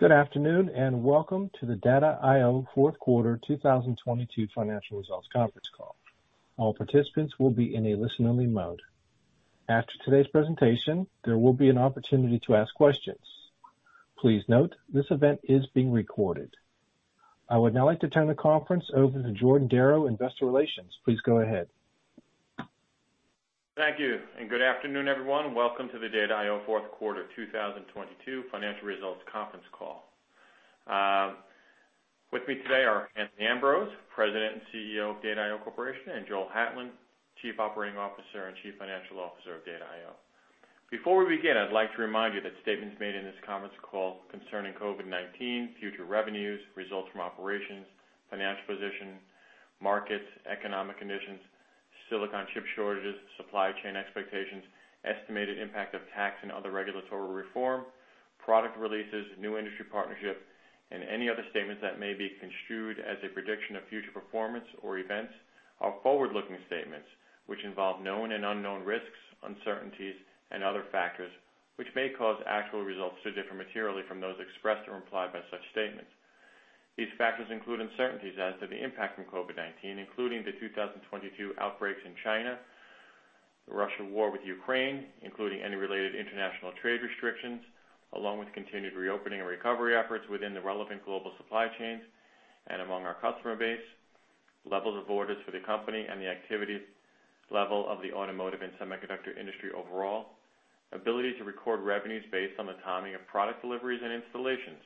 Good afternoon. Welcome to the Data I/O fourth quarter 2022 financial results conference call. All participants will be in a listen-only mode. After today's presentation, there will be an opportunity to ask questions. Please note this event is being recorded. I would now like to turn the conference over to Jordan Darrow, Investor Relations. Please go ahead. Thank you, good afternoon, everyone. Welcome to the Data I/O fourth quarter 2022 financial results conference call. With me today are Anthony Ambrose, President and CEO of Data I/O Corporation, and Joel Hatlen, Chief Operating Officer and Chief Financial Officer of Data I/O. Before we begin, I'd like to remind you that statements made in this conference call concerning COVID-19, future revenues, results from operations, financial position, markets, economic conditions, silicon chip shortages, supply chain expectations, estimated impact of tax and other regulatory reform, product releases, new industry partnerships, and any other statements that may be construed as a prediction of future performance or events are forward-looking statements which involve known and unknown risks, uncertainties, and other factors which may cause actual results to differ materially from those expressed or implied by such statements. These factors include uncertainties as to the impact from COVID-19, including the 2022 outbreaks in China, the Russian war with Ukraine, including any related international trade restrictions, along with continued reopening and recovery efforts within the relevant global supply chains and among our customer base, levels of orders for the company and the activities level of the automotive and semiconductor industry overall, ability to record revenues based on the timing of product deliveries and installations,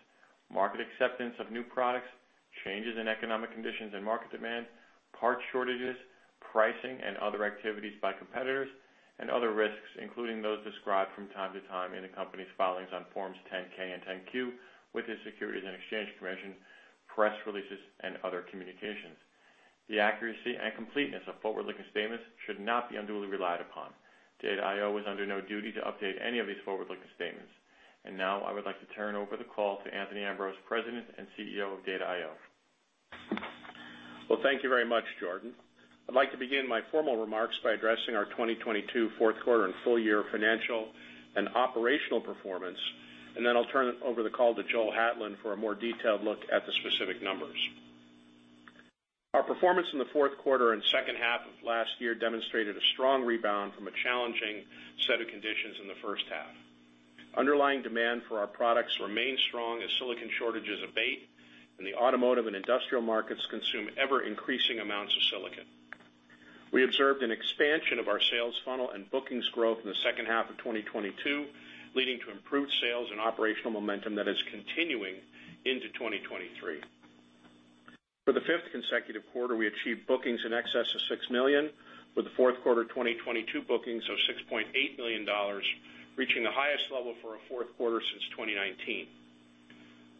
market acceptance of new products, changes in economic conditions and market demand, part shortages, pricing and other activities by competitors, and other risks, including those described from time to time in the company's filings on Forms 10-K and 10-Q with the Securities and Exchange Commission, press releases and other communications. The accuracy and completeness of forward-looking statements should not be unduly relied upon. Data I/O is under no duty to update any of these forward-looking statements. Now I would like to turn over the call to Anthony Ambrose, President and CEO of Data I/O. Well, thank you very much, Jordan. I'd like to begin my formal remarks by addressing our 2022 4th quarter and full year financial and operational performance, and then I'll turn over the call to Joel Hatlen for a more detailed look at the specific numbers. Our performance in the 4th quarter and 2nd half of last year demonstrated a strong rebound from a challenging set of conditions in the 1st half. Underlying demand for our products remained strong as silicon shortages abate and the automotive and industrial markets consume ever-increasing amounts of silicon. We observed an expansion of our sales funnel and bookings growth in the 2nd half of 2022, leading to improved sales and operational momentum that is continuing into 2023. For the fifth consecutive quarter, we achieved bookings in excess of $6 million, with the Q4 2022 bookings of $6.8 million, reaching the highest level for a Q4 since 2019.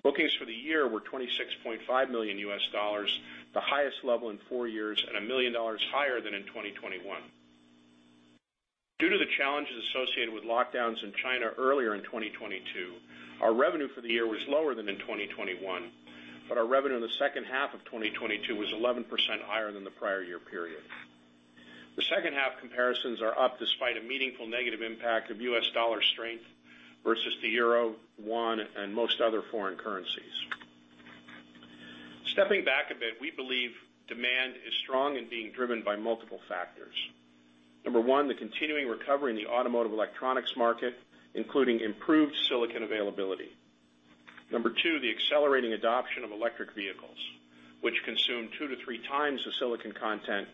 Bookings for the year were $26.5 million, the highest level in four years, and $1 million higher than in 2021. Due to the challenges associated with lockdowns in China earlier in 2022, our revenue for the year was lower than in 2021, but our revenue in the second half of 2022 was 11% higher than the prior year period. The second half comparisons are up despite a meaningful negative impact of U.S. dollar strength versus the Euro, Won, and most other foreign currencies. Stepping back a bit, we believe demand is strong and being driven by multiple factors. Number one, the continuing recovery in the automotive electronics market, including improved silicon availability. Number two, the accelerating adoption of electric vehicles, which consume two to three times the silicon content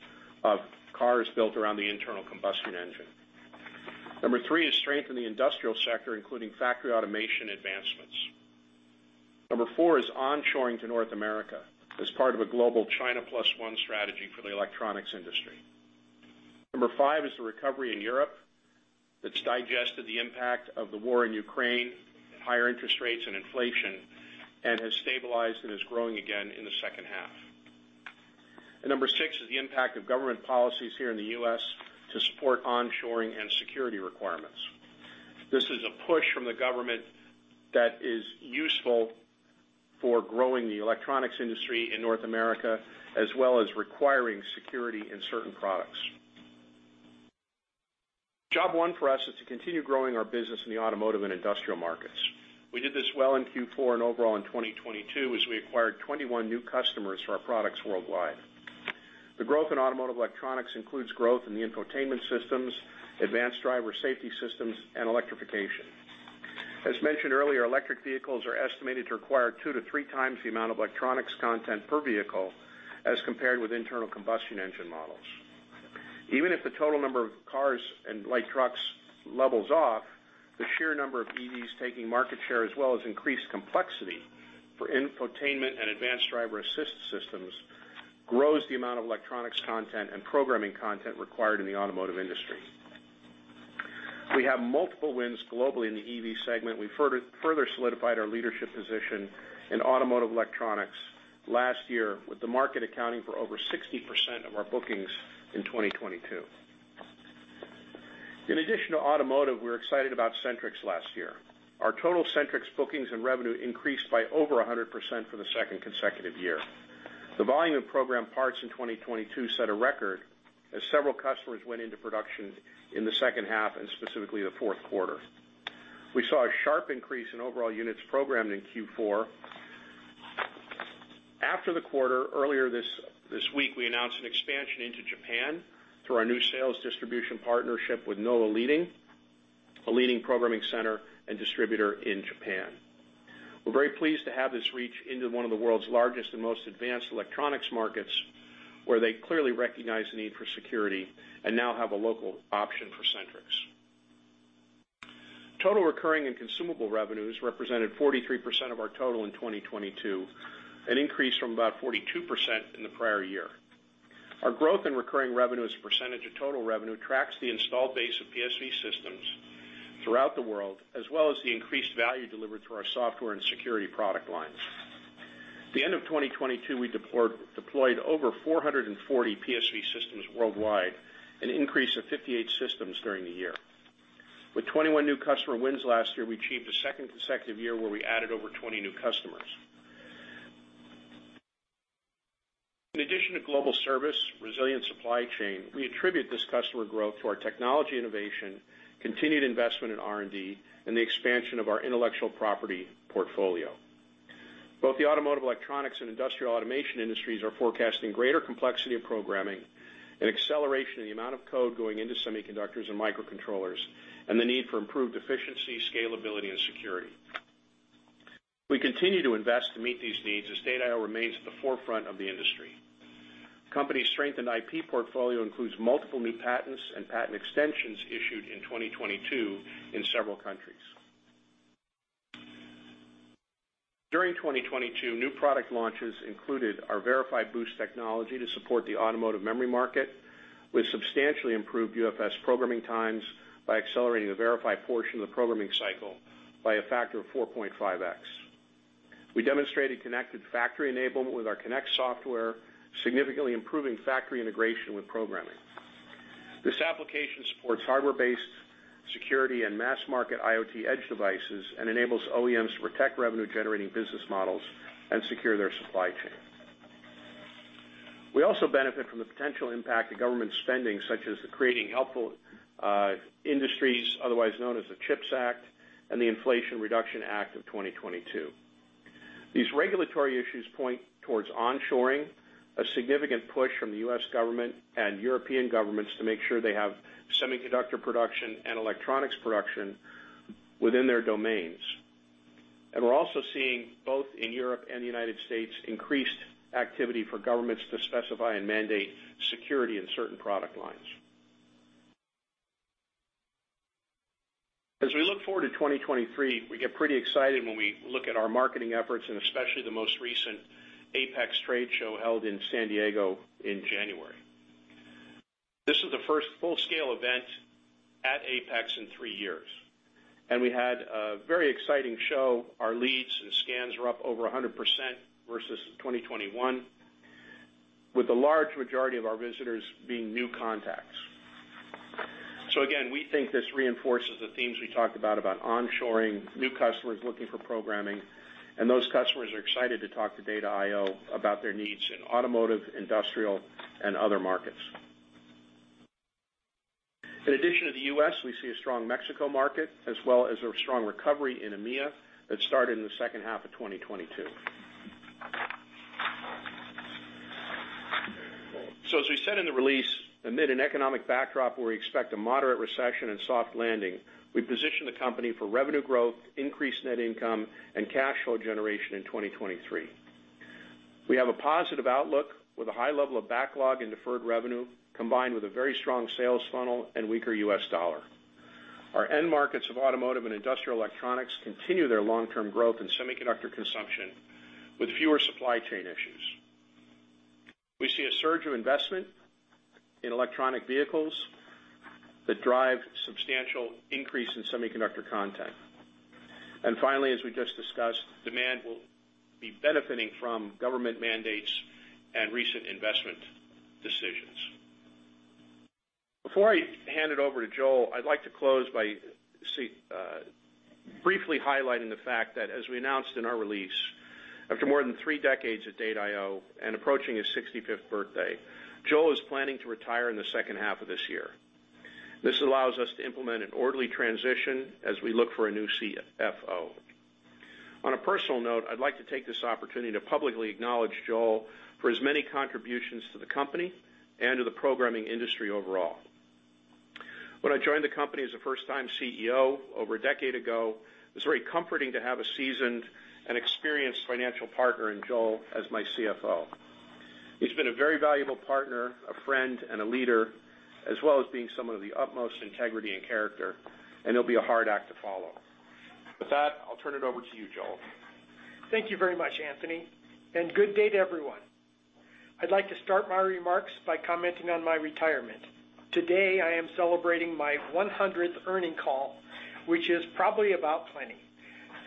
of cars built around the internal combustion engine. Number three is strength in the industrial sector, including factory automation advancements. Number four is onshoring to North America as part of a global China plus one strategy for the electronics industry. Number five is the recovery in Europe that's digested the impact of the war in Ukraine, higher interest rates and inflation, and has stabilized and is growing again in the second half. Number six is the impact of government policies here in the U.S. to support onshoring and security requirements. This is a push from the government that is useful for growing the electronics industry in North America, as well as requiring security in certain products. Job one for us is to continue growing our business in the automotive and industrial markets. We did this well in Q4 and overall in 2022 as we acquired 21 new customers for our products worldwide. The growth in automotive electronics includes growth in the infotainment systems, advanced driver safety systems, and electrification. As mentioned earlier, electric vehicles are estimated to require two to three times the amount of electronics content per vehicle as compared with internal combustion engine models. Even if the total number of cars and light trucks levels off, the sheer number of EVs taking market share as well as increased complexity for infotainment and advanced driver assist systems grows the amount of electronics content and programming content required in the automotive industry. We have multiple wins globally in the EV segment. We further solidified our leadership position in automotive electronics last year, with the market accounting for over 60% of our bookings in 2022. In addition to automotive, we're excited about SentriX last year. Our total SentriX bookings and revenue increased by over 100% for the second consecutive year. The volume of program parts in 2022 set a record as several customers went into production in the second half, and specifically the fourth quarter. We saw a sharp increase in overall units programmed in Q4. After the quarter, earlier this week, we announced an expansion into Japan through our new sales distribution partnership with NOA Leading, a leading programming center and distributor in Japan. We're very pleased to have this reach into one of the world's largest and most advanced electronics markets, where they clearly recognize the need for security and now have a local option for SentriX. Total recurring and consumable revenues represented 43% of our total in 2022, an increase from about 42% in the prior year. Our growth in recurring revenue as a percentage of total revenue tracks the installed base of PSV systems throughout the world, as well as the increased value delivered through our software and security product lines. The end of 2022, we deployed over 440 PSV systems worldwide, an increase of 58 systems during the year. With 21 new customer wins last year, we achieved a second consecutive year where we added over 20 new customers. In addition to global service, resilient supply chain, we attribute this customer growth to our technology innovation, continued investment in R&D, and the expansion of our intellectual property portfolio. Both the automotive, electronics, and industrial automation industries are forecasting greater complexity of programming, an acceleration in the amount of code going into semiconductors and microcontrollers, and the need for improved efficiency, scalability, and security. We continue to invest to meet these needs as Data I/O remains at the forefront of the industry. The company's strengthened IP portfolio includes multiple new patents and patent extensions issued in 2022 in several countries. During 2022, new product launches included our VerifyBoost technology to support the automotive memory market, with substantially improved UFS programming times by accelerating the verified portion of the programming cycle by a factor of 4.5x. We demonstrated connected factory enablement with our ConneX software, significantly improving factory integration with programming. This application supports hardware-based security and mass-market IoT Edge devices and enables OEMs to protect revenue-generating business models and secure their supply chain. We also benefit from the potential impact of government spending, such as the Creating Helpful Industries, otherwise known as the CHIPS Act and the Inflation Reduction Act of 2022. These regulatory issues point towards onshoring, a significant push from the U.S. government and European governments to make sure they have semiconductor production and electronics production within their domains. We're also seeing, both in Europe and the United States, increased activity for governments to specify and mandate security in certain product lines. As we look forward to 2023, we get pretty excited when we look at our marketing efforts, and especially the most recent Apex trade show held in San Diego in January. This was the first full-scale event at Apex in three years, and we had a very exciting show. Our leads and scans were up over 100% versus 2021, with the large majority of our visitors being new contacts. Again, we think this reinforces the themes we talked about onshoring new customers looking for programming, and those customers are excited to talk to Data I/O about their needs in automotive, industrial, and other markets. In addition to the U.S., we see a strong Mexico market as well as a strong recovery in EMEA that started in the second half of 2022. As we said in the release, amid an economic backdrop where we expect a moderate recession and soft landing, we position the company for revenue growth, increased net income, and cash flow generation in 2023. We have a positive outlook with a high level of backlog and deferred revenue, combined with a very strong sales funnel and weaker U.S. dollar. Our end markets of automotive and industrial electronics continue their long-term growth in semiconductor consumption with fewer supply chain issues. We see a surge of investment in electronic vehicles that drive substantial increase in semiconductor content. Finally, as we just discussed, demand will be benefiting from government mandates and recent investment decisions. Before I hand it over to Joel, I'd like to close by briefly highlighting the fact that as we announced in our release, after more than three decades at Data I/O and approaching his 65th birthday, Joel is planning to retire in the second half of this year. This allows us to implement an orderly transition as we look for a new CFO. On a personal note, I'd like to take this opportunity to publicly acknowledge Joel for his many contributions to the company and to the programming industry overall. When I joined the company as a first-time CEO over a decade ago, it was very comforting to have a seasoned and experienced financial partner in Joel as my CFO. He's been a very valuable partner, a friend, and a leader, as well as being someone of the utmost integrity and character. He'll be a hard act to follow. With that, I'll turn it over to you, Joel. Thank you very much, Anthony, and good day to everyone. I'd like to start my remarks by commenting on my retirement. Today, I am celebrating my 100th earning call, which is probably about plenty.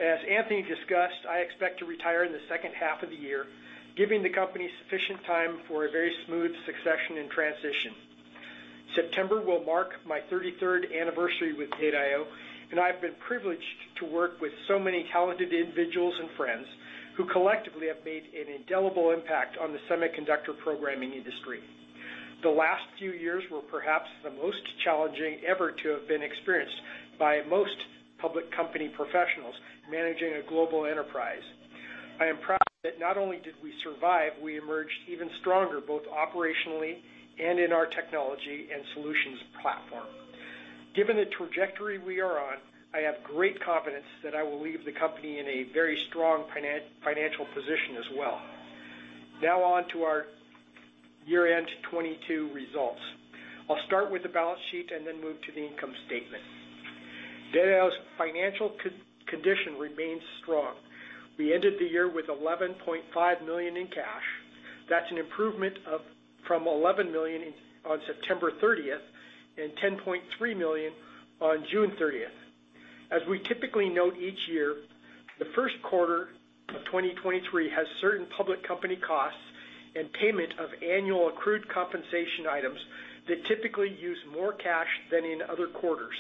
As Anthony discussed, I expect to retire in the second half of the year, giving the company sufficient time for a very smooth succession and transition. September will mark my 33rd anniversary with Data I/O, and I've been privileged to work with so many talented individuals and friends who collectively have made an indelible impact on the semiconductor programming industry. The last few years were perhaps the most challenging ever to have been experienced by most public company professionals managing a global enterprise. I am proud that not only did we survive, we emerged even stronger, both operationally and in our technology and solutions platform. Given the trajectory we are on, I have great confidence that I will leave the company in a very strong financial position as well. On to our year-end 2022 results. I'll start with the balance sheet and then move to the income statement. Data I/O's financial condition remains strong. We ended the year with $11.5 million in cash. That's an improvement of, from $11 million in, on September 13th, and $10.3 million on June 13th. As we typically note each year, the first quarter of 2023 has certain public company costs and payment of annual accrued compensation items that typically use more cash than in other quarters.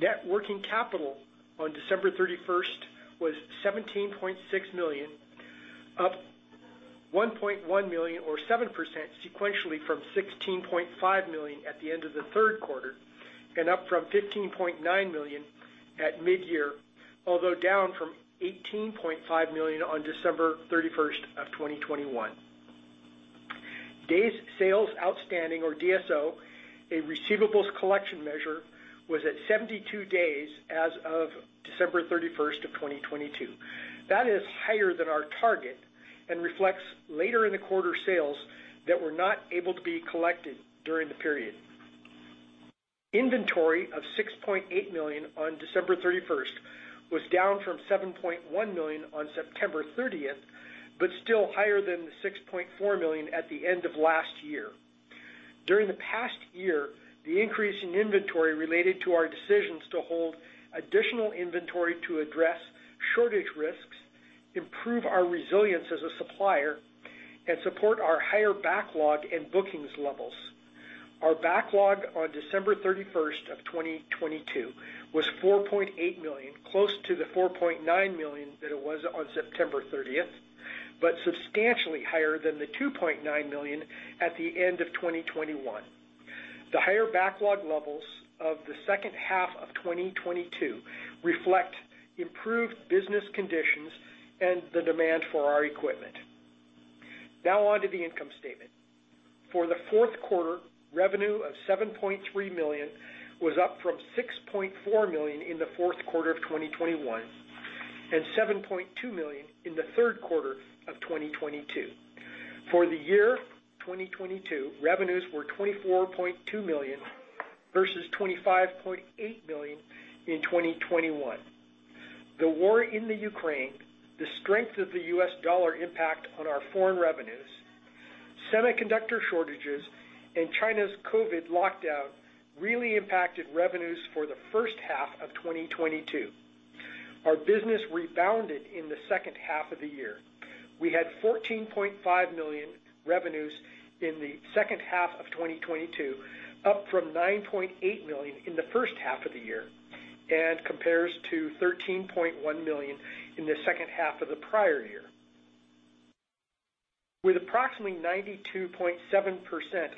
Net working capital on December 31st was $17.6 million, up $1.1 million or 7% sequentially from $16.5 million at the end of the third quarter, and up from $15.9 million at mid-year. Although down from $18.5 million on December 31st of 2021. Days sales outstanding or DSO, a receivables collection measure, was at 72 days as of December 31st of 2022. That is higher than our target and reflects later in the quarter sales that were not able to be collected during the period. Inventory of $6.8 million on December 31st was down from $7.1 million on September 30th, but still higher than the $6.4 million at the end of last year. During the past year, the increase in inventory related to our decisions to hold additional inventory to address shortage risks, improve our resilience as a supplier, and support our higher backlog and bookings levels. Our backlog on December 31st, 2022 was $4.8 million, close to the $4.9 million that it was on September 30th, but substantially higher than the $2.9 million at the end of 2021. The higher backlog levels of the second half of 2022 reflect improved business conditions and the demand for our equipment. Now on to the income statement. For the Q4, revenue of $7.3 million was up from $6.4 million in the Q4 of 2021 and $7.2 million in the Q3 of 2022. For the year 2022, revenues were $24.2 million versus $25.8 million in 2021. The war in Ukraine, the strength of the U.S. dollar impact on our foreign revenues, semiconductor shortages, and China's COVID lockdown really impacted revenues for the first half of 2022. Our business rebounded in the second half of the year. We had $14.5 million revenues in the second half of 2022, up from $9.8 million in the first half of the year, and compares to $13.1 million in the second half of the prior year. With approximately 92.7%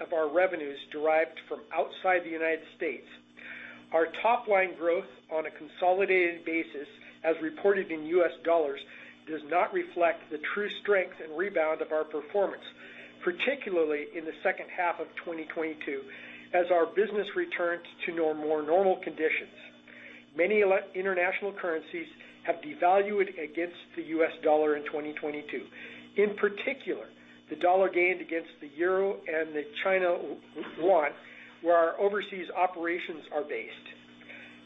of our revenues derived from outside the United States, our top line growth on a consolidated basis, as reported U.S. dollars, does not reflect the true strength and rebound of our performance, particularly in the second half of 2022, as our business returns to more normal conditions. Many international currencies have devalued against the U.S. dollar in 2022. In particular, the U.S. dollar gained against the Euro and the China won, where our overseas operations are based.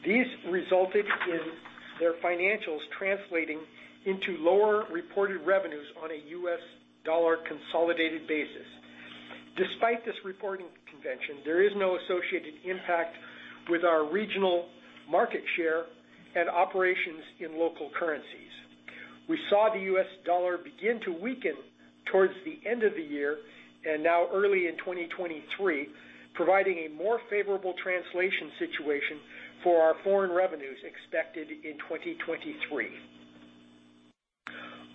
These resulted in their financials translating into lower reported revenues on a U.S. dollar consolidated basis. Despite this reporting convention, there is no associated impact with our regional market share and operations in local currencies. We saw the U.S. dollar begin to weaken towards the end of the year, and now early in 2023, providing a more favorable translation situation for our foreign revenues expected in 2023.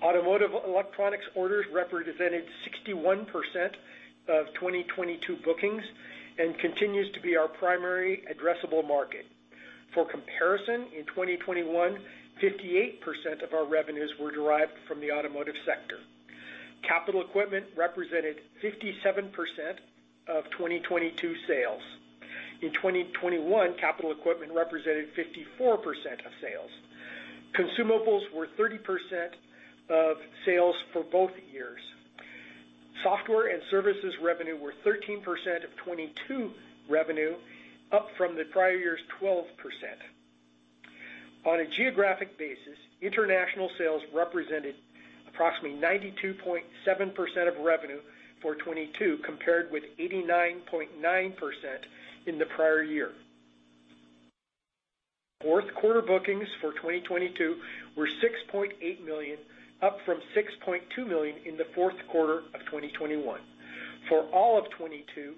Automotive electronics orders represented 61% of 2022 bookings and continues to be our primary addressable market. For comparison, in 2021, 58% of our revenues were derived from the automotive sector. Capital equipment represented 57% of 2022 sales. In 2021, capital equipment represented 54% of sales. Consumables were 30% of sales for both years. Software and services revenue were 13% of 2022 revenue, up from the prior year's 12%. On a geographic basis, international sales represented approximately 92.7% of revenue for 2022, compared with 89.9% in the prior year. Fourth quarter bookings for 2022 were $6.8 million, up from $6.2 million in the fourth quarter of 2021. For all of 2022,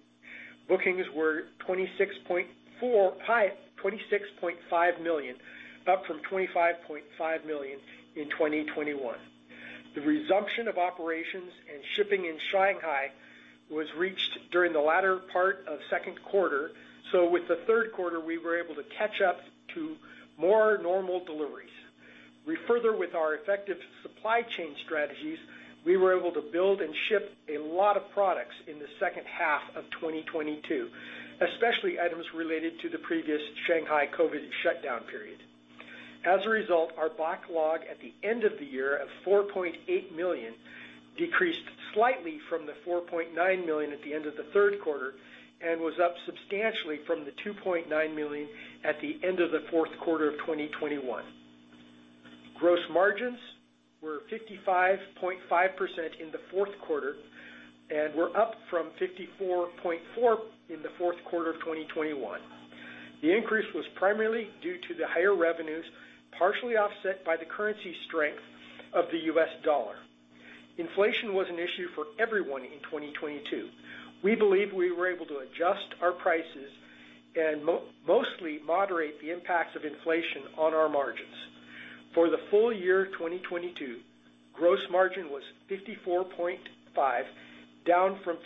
bookings were $26.5 million, up from $25.5 million in 2021. The resumption of operations and shipping in Shanghai was reached during the latter part of second quarter. With the third quarter, we were able to catch up to more normal deliveries. We further with our effective supply chain strategies, we were able to build and ship a lot of products in the second half of 2022, especially items related to the previous Shanghai COVID shutdown period. Our backlog at the end of the year of $4.8 million decreased slightly from the $4.9 million at the end of the third quarter and was up substantially from the $2.9 million at the end of the fourth quarter of 2021. Gross margins were 55.5% in the fourth quarter and were up from 54.4% in the fourth quarter of 2021. The increase was primarily due to the higher revenues, partially offset by the currency strength of the U.S. dollar. Inflation was an issue for everyone in 2022. We believe we were able to adjust our prices and mostly moderate the impacts of inflation on our margins. For the full year 2022, gross margin was 54.5, down from 57%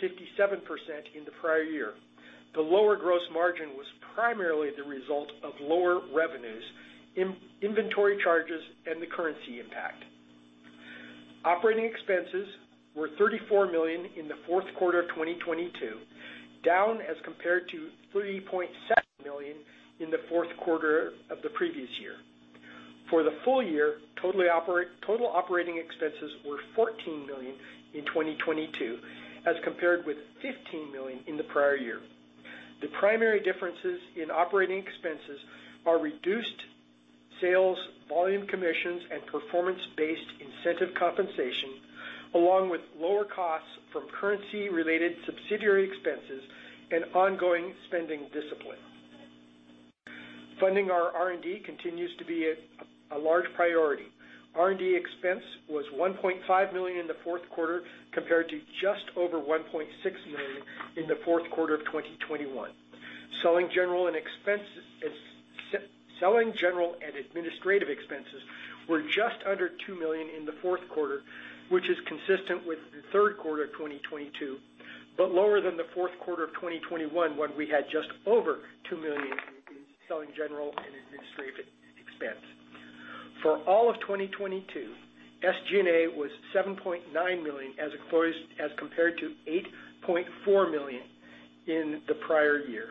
in the prior year. The lower gross margin was primarily the result of lower revenues, inventory charges, and the currency impact. Operating expenses were $34 million in the fourth quarter of 2022, down as compared to $3.7 million in the fourth quarter of the previous year. For the full year, total operating expenses were $14 million in 2022, as compared with $15 million in the prior year. The primary differences in operating expenses are reduced sales volume commissions and performance-based incentive compensation, along with lower costs from currency-related subsidiary expenses and ongoing spending discipline. Funding our R&D continues to be a large priority. R&D expense was $1.5 million in the fourth quarter, compared to just over $1.6 million in the fourth quarter of 2021. Selling general and administrative expenses were just under $2 million in the fourth quarter, which is consistent with the third quarter of 2022, but lower than the fourth quarter of 2021, when we had just over $2 million in selling general and administrative expense. For all of 2022, SG&A was $7.9 million, as compared to $8.4 million in the prior year.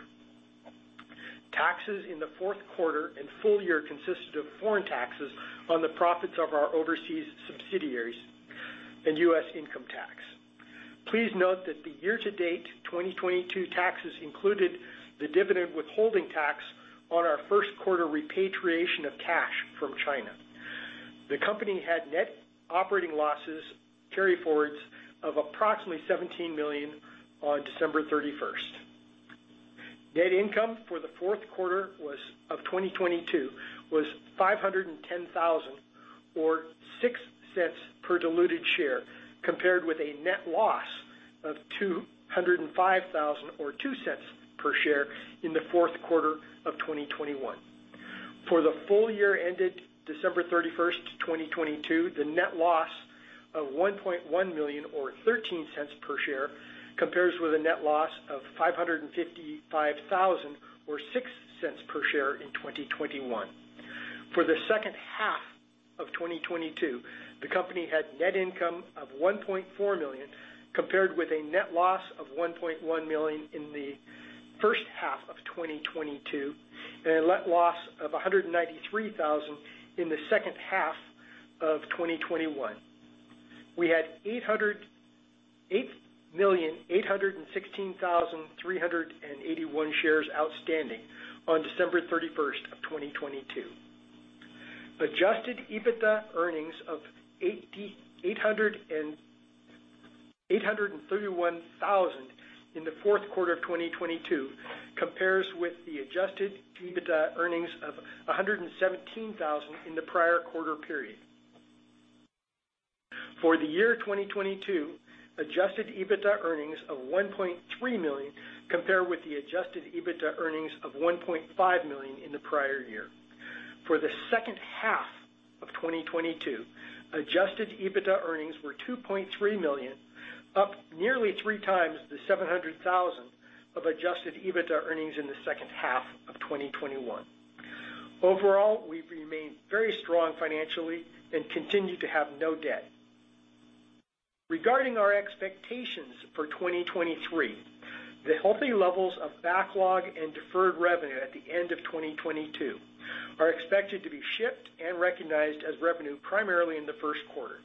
Taxes in the fourth quarter and full year consisted of foreign taxes on the profits of our overseas subsidiaries and U.S. income tax. Please note that the year-to-date 2022 taxes included the dividend withholding tax on our first quarter repatriation of cash from China. The company had net operating losses carryforwards of approximately $17 million on December 31st. Net income for the fourth quarter of 2022 was $510,000 or $0.06 per diluted share, compared with a net loss of $205,000, or $0.02 per share in the fourth quarter of 2021. For the full year ended December 31st, 2022, the net loss of $1.1 million or $0.13 per share compares with a net loss of $555,000 or $0.06 per share in 2021. For the second half of 2022, the company had net income of $1.4 million, compared with a net loss of $1.1 million in the first half of 2022 and a net loss of $193,000 in the second half of 2021. We had 8,816,381 shares outstanding on December 31st of 2022. Adjusted EBITDA earnings of $831,000 in the fourth quarter of 2022 compares with the adjusted EBITDA earnings of $117,000 in the prior quarter period. For the year 2022, adjusted EBITDA earnings of $1.3 million compare with the adjusted EBITDA earnings of $1.5 million in the prior year. For the second half of 2022, adjusted EBITDA earnings were $2.3 million, up nearly three times the $700,000 of adjusted EBITDA earnings in the second half of 2021. Overall, we remain very strong financially and continue to have no debt. Regarding our expectations for 2023, the healthy levels of backlog and deferred revenue at the end of 2022 are expected to be shipped and recognized as revenue primarily in the first quarter.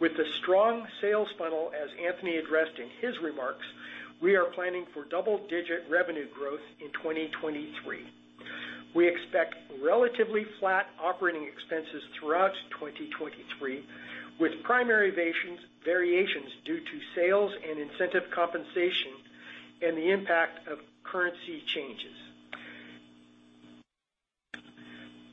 With the strong sales funnel, as Anthony addressed in his remarks, we are planning for double-digit revenue growth in 2023. We expect relatively flat operating expenses throughout 2023, with primary variations due to sales and incentive compensation. The impact of currency changes.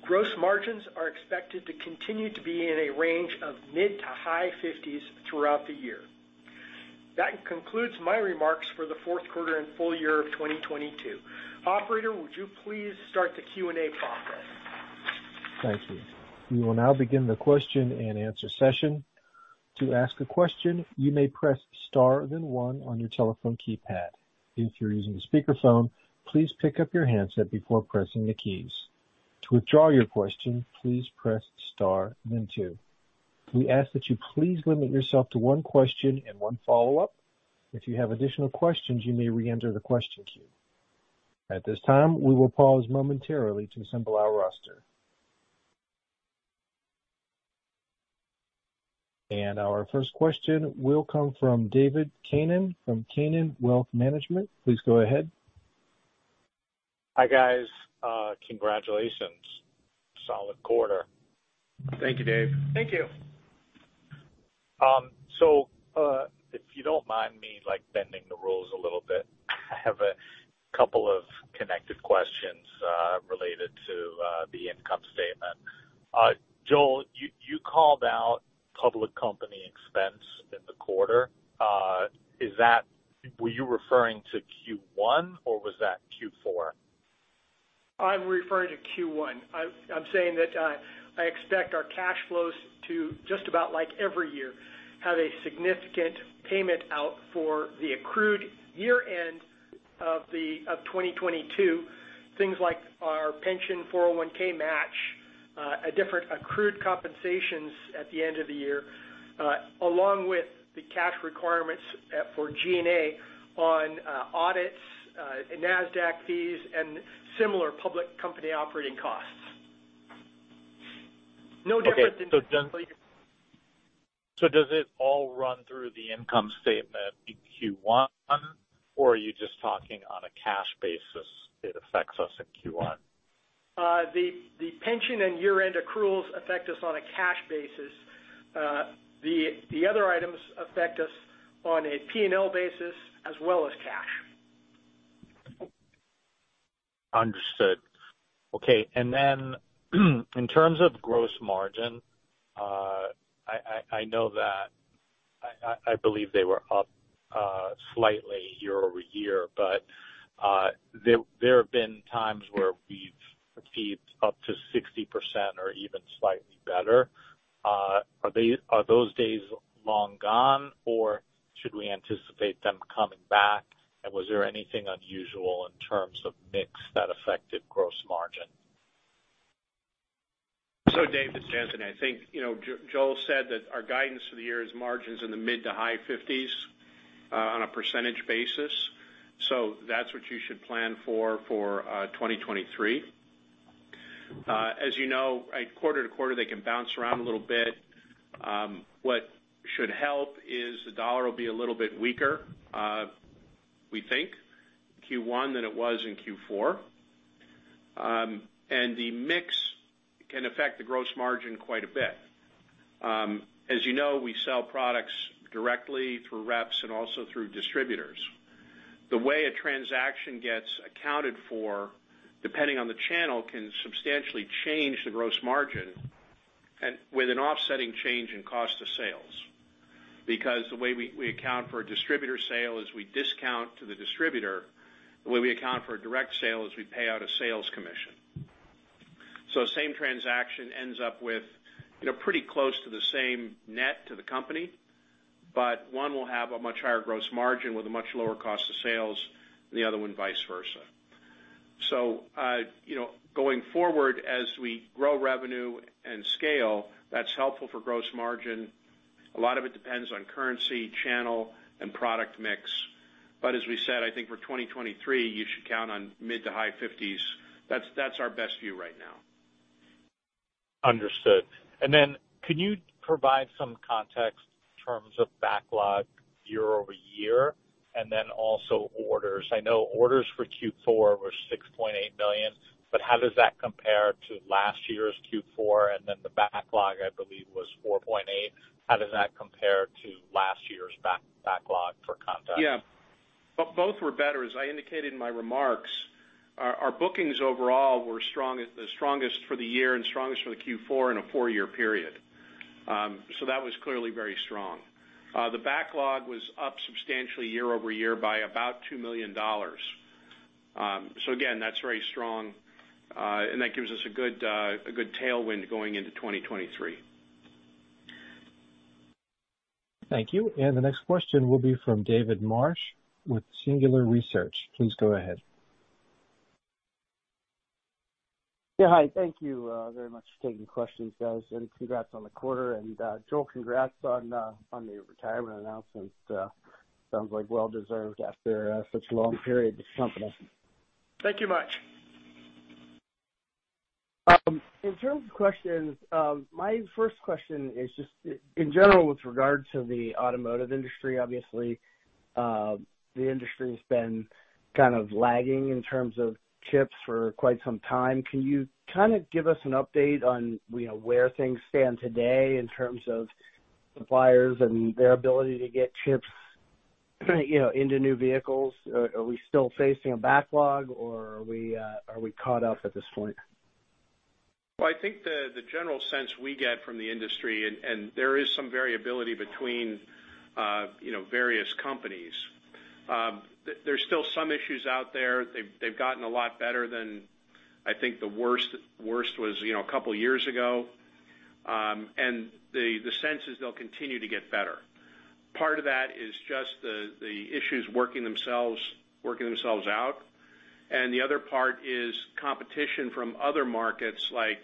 Gross margins are expected to continue to be in a range of mid-to-high fifties throughout the year. That concludes my remarks for the fourth quarter and full year of 2022. Operator, would you please start the Q&A process? Thank you. We will now begin the question-and-answer session. To ask a question, you may press Star, then one on your telephone keypad. If you're using a speakerphone, please pick up your handset before pressing the keys. To withdraw your question, please press Star, then two. We ask that you please limit yourself to one question and one follow-up. If you have additional questions, you may reenter the question queue. At this time, we will pause momentarily to assemble our roster. Our first question will come from David Canaan from Canaan Wealth Management. Please go ahead. Hi, guys. congratulations. Solid quarter. Thank you, Dave. Thank you. If you don't mind me, like, bending the rules a little bit, I have a couple of connected questions related to the income statement. Joel, you called out public company expense in the quarter. Were you referring to Q1, or was that Q4? I'm referring to Q1. I'm saying that I expect our cash flows to, just about like every year, have a significant payment out for the accrued year-end of 2022, things like our pension 401(k) match, a different accrued compensations at the end of the year, along with the cash requirements for G&A on audits, NASDAQ fees, and similar public company operating costs. No difference in. Okay. Does it all run through the income statement in Q1, or are you just talking on a cash basis, it affects us in Q1? The pension and year-end accruals affect us on a cash basis. The other items affect us on a P&L basis as well as cash. Understood. Okay. Then in terms of gross margin, I believe they were up slightly year-over-year. There have been times where we've achieved up to 60% or even slightly better. Are those days long gone, or should we anticipate them coming back? Was there anything unusual in terms of mix that affected gross margin? Dave, it's Anthony. I think, you know, Joel said that our guidance for the year is margins in the mid-to-high 50s on a percentage basis. That's what you should plan for 2023. As you know, quarter-to-quarter, they can bounce around a little bit. What should help is the dollar will be a little bit weaker, we think, Q1 than it was in Q4. The mix can affect the gross margin quite a bit. As you know, we sell products directly through reps and also through distributors. The way a transaction gets accounted for, depending on the channel, can substantially change the gross margin and with an offsetting change in cost of sales. The way we account for a distributor sale is we discount to the distributor. The way we account for a direct sale is we pay out a sales commission. The same transaction ends up with, you know, pretty close to the same net to the company, but one will have a much higher gross margin with a much lower cost of sales, and the other one, vice versa. Going forward as we grow revenue and scale, that's helpful for gross margin. A lot of it depends on currency, channel, and product mix. As we said, I think for 2023, you should count on mid to high 50s. That's, that's our best view right now. Understood. Can you provide some context in terms of backlog year-over-year and also orders? I know orders for Q4 were $6.8 billion. How does that compare to last year's Q4? The backlog, I believe, was $4.8 billion. How does that compare to last year's backlog for context? Yeah. Both were better. As I indicated in my remarks, our bookings overall were strong—the strongest for the year and strongest for the Q4 in a four-year period. That was clearly very strong. The backlog was up substantially year-over-year by about $2 million. Again, that's very strong, and that gives us a good tailwind going into 2023. Thank you. The next question will be from David Marsh with Singular Research. Please go ahead. Yeah, hi. Thank you very much for taking the questions, guys. Congrats on the quarter. Joel, congrats on the retirement announcement. Sounds like well-deserved after such a long period with the company. Thank you much. In terms of questions, my first question is just in general, with regard to the automotive industry, obviously, the industry's been kind of lagging in terms of chips for quite some time. Can you kind of give us an update on, you know, where things stand today in terms of suppliers and their ability to get chips, you know, into new vehicles? Are we still facing a backlog, or are we caught up at this point? I think the general sense we get from the industry, there is some variability between, you know, various companies, there's still some issues out there. They've gotten a lot better than I think the worst was, you know, a couple years ago. The sense is they'll continue to get better. Part of that is just the issues working themselves out, and the other part is competition from other markets like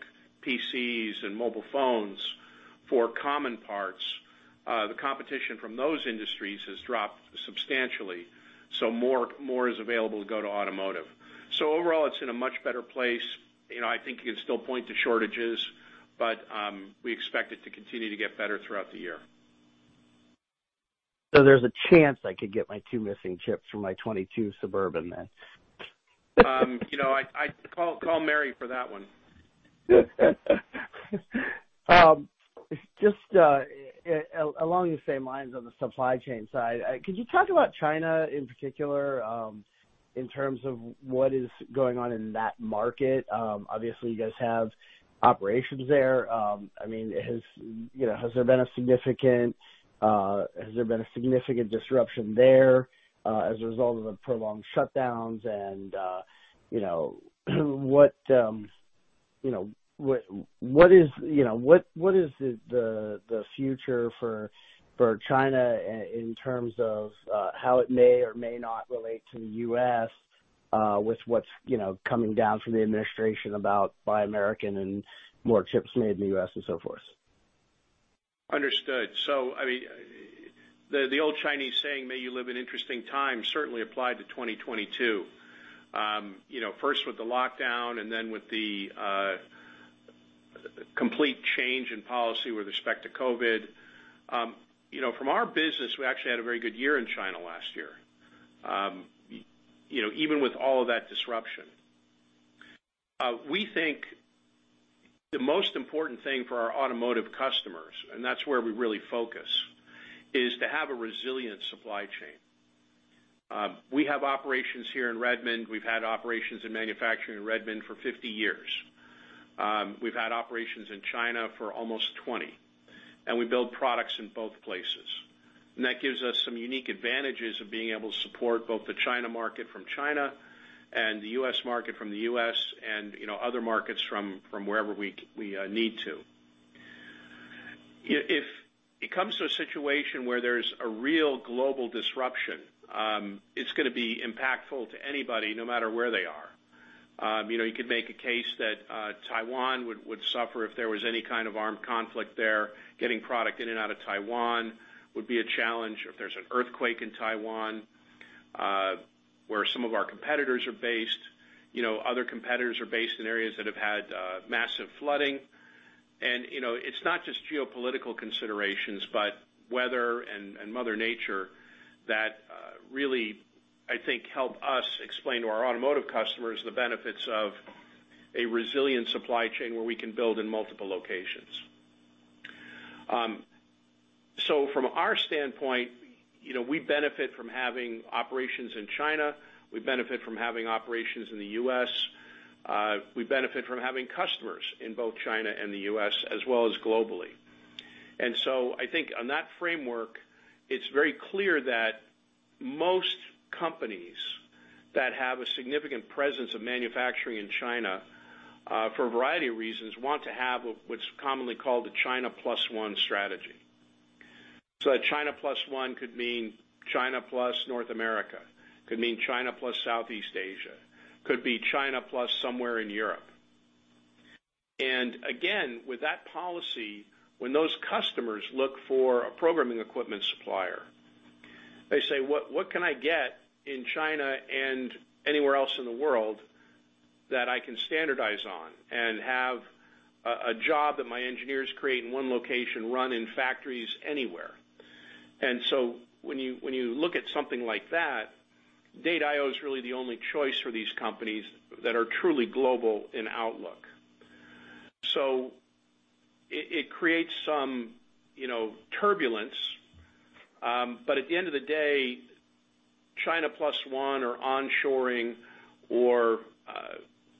PCs and mobile phones for common parts. The competition from those industries has dropped substantially, more is available to go to automotive. Overall, it's in a much better place. You know, I think you can still point to shortages, we expect it to continue to get better throughout the year. There's a chance I could get my two missing chips from my 2022 Suburban then. You know, I'd call Mary for that one. Just along the same lines on the supply chain side, could you talk about China in particular, in terms of what is going on in that market? Obviously, you guys have operations there. I mean, has, you know, has there been a significant disruption there, as a result of the prolonged shutdowns and, you know, what, you know, what is, you know, what is the future for China in terms of how it may or may not relate to the U.S., with what's, you know, coming down from the administration about buy American and more chips made in the U.S. and so forth? Understood. I mean, the old Chinese saying, may you live in interesting times certainly applied to 2022. you know, first with the lockdown and then with the complete change in policy with respect to COVID. you know, from our business, we actually had a very good year in China last year, you know, even with all of that disruption. We think the most important thing for our automotive customers, and that's where we really focus, is to have a resilient supply chain. We have operations here in Redmond. We've had operations in manufacturing in Redmond for 50 years. We've had operations in China for almost 20, and we build products in both places. That gives us some unique advantages of being able to support both the China market from China and the U.S. Market from the U.S. and, you know, other markets from wherever we need to. If it comes to a situation where there's a real global disruption, it's gonna be impactful to anybody, no matter where they are. You know, you could make a case that Taiwan would suffer if there was any kind of armed conflict there. Getting product in and out of Taiwan would be a challenge. If there's an earthquake in Taiwan, where some of our competitors are based, you know, other competitors are based in areas that have had massive flooding. You know, it's not just geopolitical considerations, but weather and mother nature that really, I think, help us explain to our automotive customers the benefits of a resilient supply chain where we can build in multiple locations. From our standpoint, you know, we benefit from having operations in China. We benefit from having operations in the U.S. We benefit from having customers in both China and the U.S. as well as globally. I think on that framework, it's very clear that most companies that have a significant presence of manufacturing in China, for a variety of reasons, want to have what's commonly called the China plus one strategy. A China plus one could mean China plus North America. Could mean China plus Southeast Asia. Could be China plus somewhere in Europe. Again, with that policy, when those customers look for a programming equipment supplier, they say, "What can I get in China and anywhere else in the world that I can standardize on and have a job that my engineers create in one location run in factories anywhere?" When you look at something like that, Data I/O is really the only choice for these companies that are truly global in outlook. It creates some, you know, turbulence. At the end of the day, China plus one or onshoring or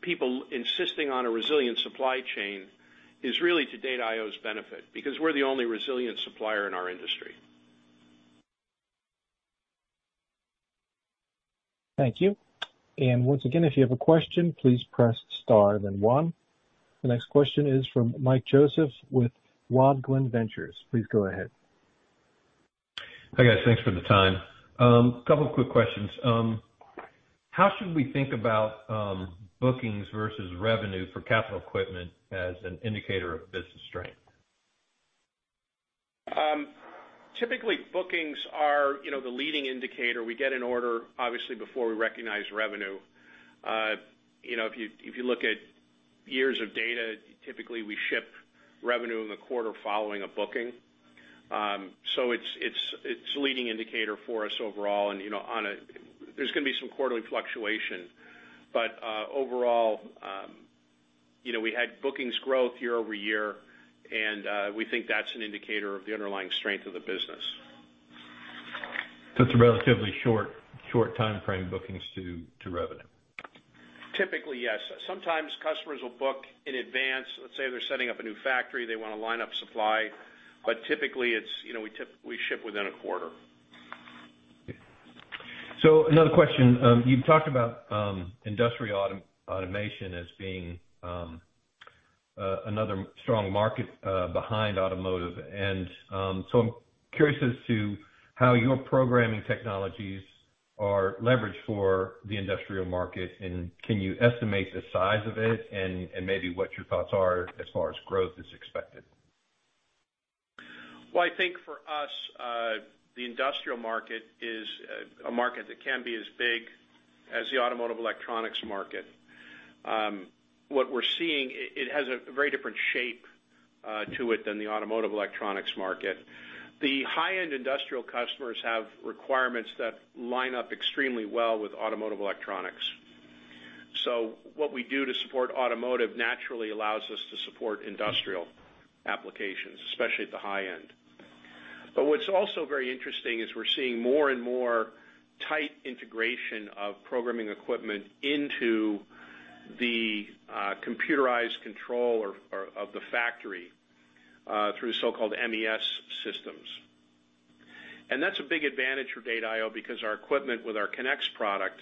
people insisting on a resilient supply chain is really to Data I/O's benefit because we're the only resilient supplier in our industry. Thank you. Once again, if you have a question, please press star then one. The next question is from Mike Joseph with Rod Glen Ventures. Please go ahead. Hi, guys. Thanks for the time. A couple of quick questions. How should we think about, bookings versus revenue for capital equipment as an indicator of business strength? Typically, bookings are, you know, the leading indicator. We get an order, obviously, before we recognize revenue. You know, if you, if you look at years of data, typically we ship revenue in the quarter following a booking. It's a leading indicator for us overall, and, you know, there's gonna be some quarterly fluctuation. Overall, you know, we had bookings growth year-over-year, and we think that's an indicator of the underlying strength of the business. It's a relatively short timeframe, bookings to revenue. Typically, yes. Sometimes customers will book in advance. Let's say they're setting up a new factory, they wanna line up supply. Typically it's, you know, we ship within a quarter. Another question. You've talked about industrial automation as being another strong market behind automotive. I'm curious as to how your programming technologies are leveraged for the industrial market. Can you estimate the size of it and maybe what your thoughts are as far as growth is expected? Well, I think for us, the industrial market is a market that can be as big as the automotive electronics market. What we're seeing, it has a very different shape to it than the automotive electronics market. The high-end industrial customers have requirements that line up extremely well with automotive electronics. What we do to support automotive naturally allows us to support industrial applications, especially at the high end. What's also very interesting is we're seeing more and more tight integration of programming equipment into the computerized control of the factory, through so-called MES systems. That's a big advantage for Data I/O because our equipment with our ConneX product,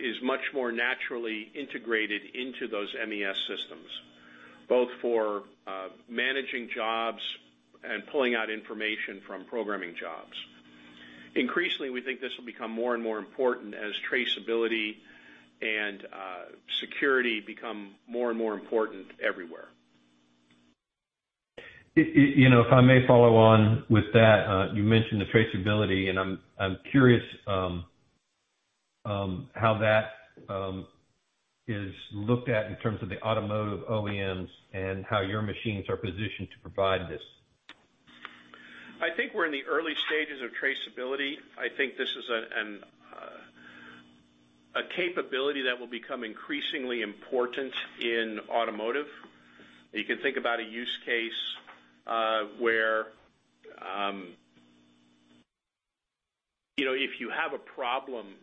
is much more naturally integrated into those MES systems, both for managing jobs and pulling out information from programming jobs. Increasingly, we think this will become more and more important as traceability and security become more and more important everywhere. You know, if I may follow on with that, you mentioned the traceability, and I'm curious, how that is looked at in terms of the automotive OEMs and how your machines are positioned to provide this? I think we're in the early stages of traceability. I think this is a capability that will become increasingly important in automotive. You can think about a use case, where, you know, if you have a problem,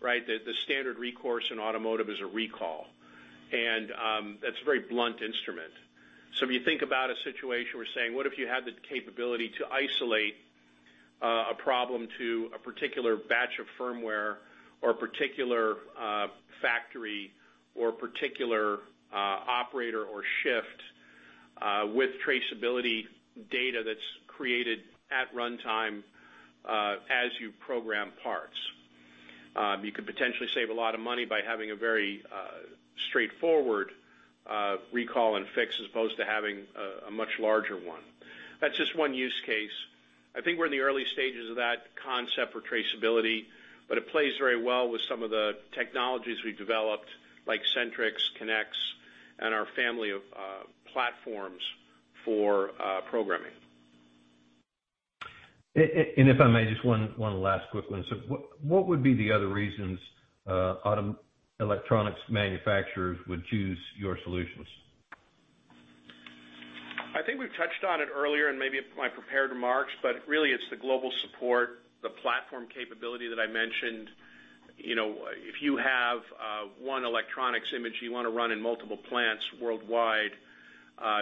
right, the standard recourse in automotive is a recall. That's a very blunt instrument. If you think about a situation, we're saying, what if you had the capability to isolate a problem to a particular batch of firmware or a particular factory or a particular operator or shift, with traceability data that's created at runtime, as you program parts. You could potentially save a lot of money by having a very straightforward recall and fix, as opposed to having a much larger one. That's just one use case. I think we're in the early stages of that concept for traceability, but it plays very well with some of the technologies we've developed, like SentriX, ConneX, and our family of platforms for programming. If I may, just one last quick one. What would be the other reasons auto electronics manufacturers would choose your solutions? I think we've touched on it earlier and maybe in my prepared remarks, but really it's the global support, the platform capability that I mentioned. You know, if you have one electronics image you wanna run in multiple plants worldwide,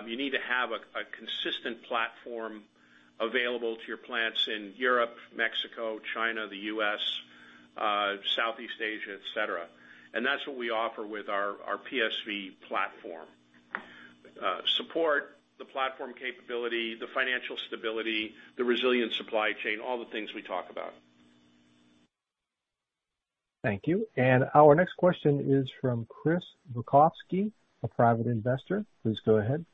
you need to have a consistent platform available to your plants in Europe, Mexico, China, the U.S., Southeast Asia, et cetera. That's what we offer with our PSV platform. Support the platform capability, the financial stability, the resilient supply chain, all the things we talk about. Thank you. Our next question is from Chris Lukovsky, a private investor. Please go ahead.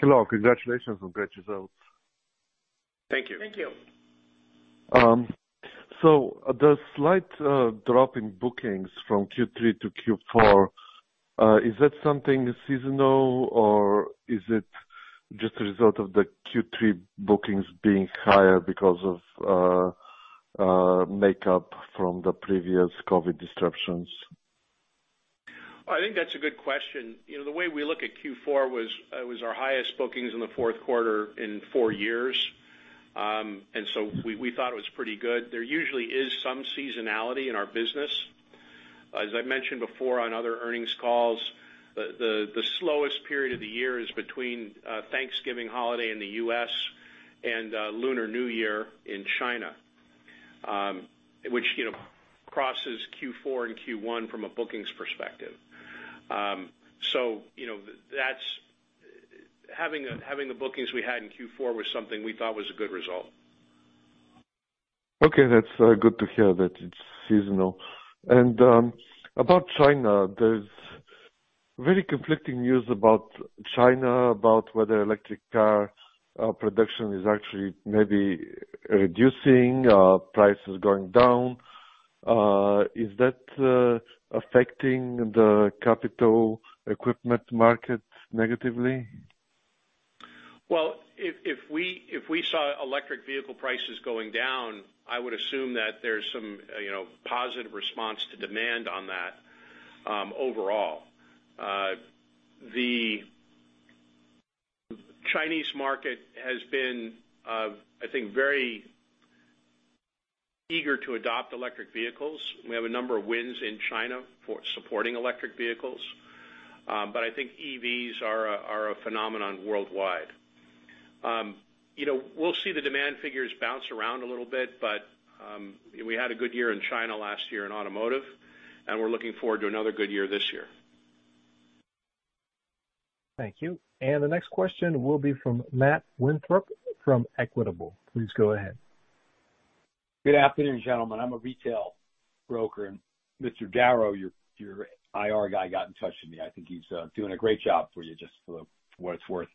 Hello. Congratulations on great results. Thank you. Thank you. The slight drop in bookings from Q3 to Q4, is that something seasonal, or is it just a result of the Q3 bookings being higher because of makeup from the previous COVID disruptions? I think that's a good question. You know, the way we look at Q4 was, it was our highest bookings in the fourth quarter in four years. We thought it was pretty good. There usually is some seasonality in our business. As I mentioned before on other earnings calls, the slowest period of the year is between Thanksgiving holiday in the U.S. and Lunar New Year in China, which, you know, crosses Q4 and Q1 from a bookings perspective. You know, Having the bookings we had in Q4 was something we thought was a good result. Okay. That's good to hear that it's seasonal. About China, Very conflicting news about China, about whether electric car, production is actually maybe reducing, prices going down. Is that affecting the capital equipment market negatively? Well, if we saw electric vehicle prices going down, I would assume that there's some, you know, positive response to demand on that, overall. The Chinese market has been, I think, very eager to adopt electric vehicles. We have a number of wins in China for supporting electric vehicles. I think EVs are a phenomenon worldwide. You know, we'll see the demand figures bounce around a little bit, but we had a good year in China last year in automotive. We're looking forward to another good year this year. Thank you. The next question will be from Matt Winthrop from Equitable. Please go ahead. Good afternoon, gentlemen. I'm a retail broker, and Mr. Darrow, your IR guy, got in touch with me. I think he's doing a great job for you, just for what it's worth.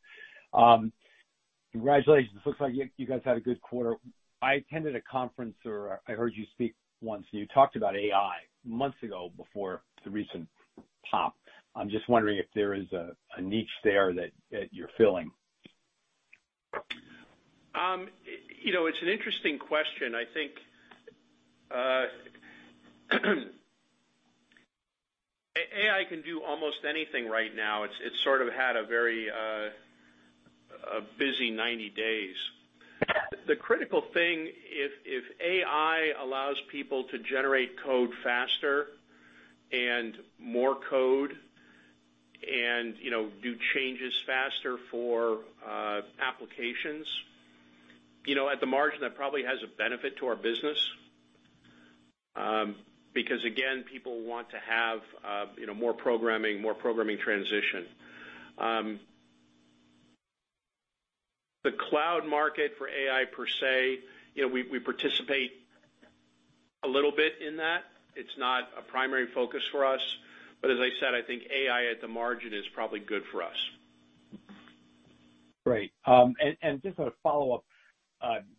Congratulations. Looks like you guys had a good quarter. I attended a conference, or I heard you speak once, and you talked about AI months ago before the recent pop. I'm just wondering if there is a niche there that you're filling. You know, it's an interesting question. I think AI can do almost anything right now. It sort of had a very a busy 90 days. The critical thing if AI allows people to generate code faster and more code and, you know, do changes faster for applications, you know, at the margin, that probably has a benefit to our business. Because again, people want to have, you know, more programming transition. The cloud market for AI, per se, you know, we participate a little bit in that. It's not a primary focus for us, but as I said, I think AI at the margin is probably good for us. Great. Just a follow-up.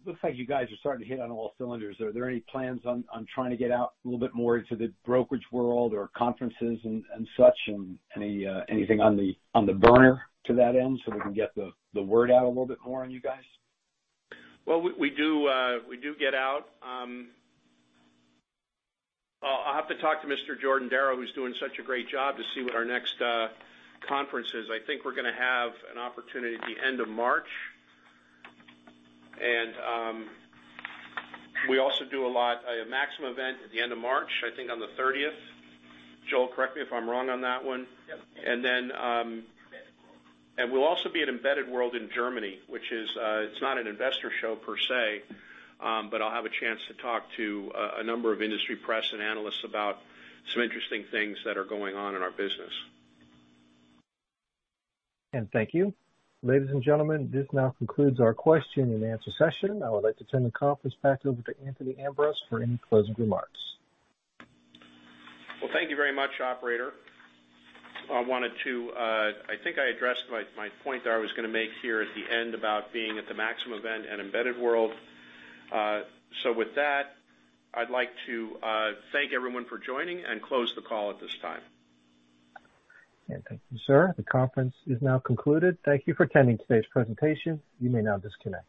Looks like you guys are starting to hit on all cylinders. Are there any plans on trying to get out a little bit more into the brokerage world or conferences and such? Any, anything on the burner to that end, so we can get the word out a little bit more on you guys? Well, we do, we do get out. I'll have to talk to Mr. Jordan Darrow, who's doing such a great job, to see what our next conference is. I think we're gonna have an opportunity at the end of March. we also do a lot, a Maximum event at the end of March, I think on the thirtieth. Joel, correct me if I'm wrong on that one. Yep. We'll also be at Embedded World in Germany, which is, it's not an investor show per se, but I'll have a chance to talk to a number of industry press and analysts about some interesting things that are going on in our business. Thank you. Ladies and gentlemen, this now concludes our question-and-answer session. I would like to turn the conference back over to Anthony Ambrose for any closing remarks. Well, thank you very much, operator. I wanted to, I think I addressed my point that I was gonna make here at the end about being at the Maximum event and embedded world. With that, I'd like to thank everyone for joining and close the call at this time. Thank you, sir. The conference is now concluded. Thank you for attending today's presentation. You may now disconnect.